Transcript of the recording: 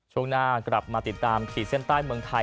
ช่วงหน้ากลับมาติดตามขีดเส้นใต้เมืองไทย